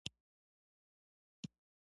دا مواد اطراحي غړو ته لیږدوي.